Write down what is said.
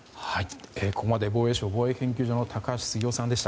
ここまで防衛省防衛研究所の高橋杉雄さんでした。